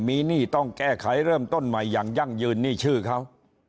มีหนี้ต้องแก้ไขเริ่มต้นใหม่อย่างยั่งยืนนี่ชื่อเขา